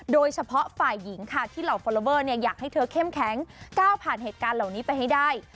โดยเฉพาะฝ่ายหญิงค่ะที่เหล่าฟอลลอเวอร์อยากให้เธอเข้มแข็งก้าวผ่านเหตุการณ์เหล่านี้ไปให้ได้